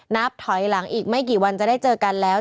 นับถอยหลังอีกไม่กี่วันจะได้เจอกันแล้ว